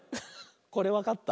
これわかった？